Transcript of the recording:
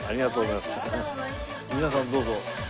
皆さんどうぞ。